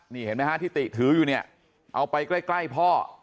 นี่เห็นไหมฮะที่ติถืออยู่เนี่ยเอาไปใกล้พ่อ